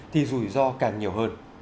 thì rủi ro càng nhiều hơn